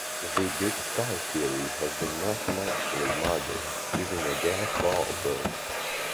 The Big Sky Theory has been mathematically modeled, using a gas law approach.